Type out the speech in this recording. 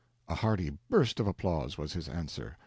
A hearty burst of applause was his answer.